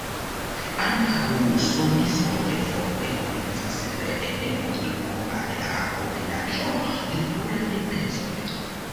Ankaŭ sondiskoj foje komencas per enkonduko al la kompilaĵo de pluraj pecoj.